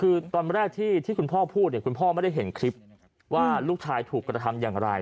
คือตอนแรกที่คุณพ่อพูดเนี่ยคุณพ่อไม่ได้เห็นคลิปว่าลูกชายถูกกระทำอย่างไร